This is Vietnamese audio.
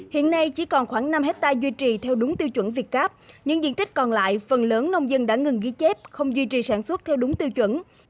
hiện nay chỉ còn khoảng năm hectare duy trì theo đúng tiêu chuẩn việt gáp những diện tích còn lại phần lớn nông dân đã ngừng ghi chép không duy trì sản xuất theo đúng tiêu chuẩn